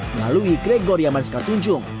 melalui gregoria menanggung